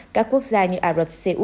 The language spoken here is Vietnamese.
các quốc gia như ả rập